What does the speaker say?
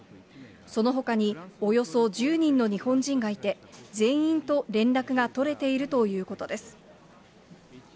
そのほかにおよそ１０人の日本人がいて、全員と連絡が取れているということです。